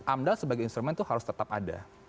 amdal sebagai instrumen itu harus tetap ada